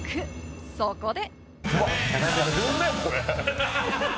そこで。